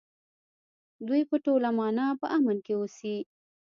دوی په ټوله مانا په امن کې اوسي.